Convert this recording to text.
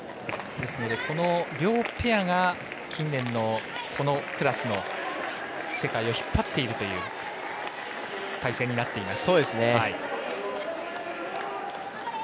ですので、この両ペアが近年のこのクラスの世界を引っ張っているという対戦になっています。